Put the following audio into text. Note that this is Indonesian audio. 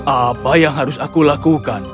apa yang harus aku lakukan